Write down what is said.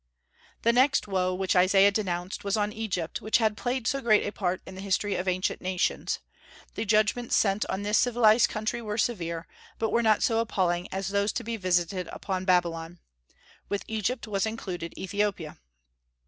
The next woe which Isaiah denounced was on Egypt, which had played so great a part in the history of ancient nations. The judgments sent on this civilized country were severe, but were not so appalling as those to be visited upon Babylon. With Egypt was included Ethiopia.